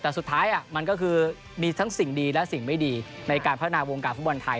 แต่สุดท้ายมันก็คือมีทั้งสิ่งดีและสิ่งไม่ดีในการพัฒนาวงการฟุตบอลไทย